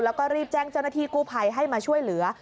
แล้วก็รีบแจ้งเจ้าหน้าที่กู้ภัยให้มาช่วยเหลือ